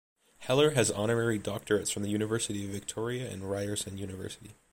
Heller has Honorary Doctorates from the University of Victoria and Ryerson University.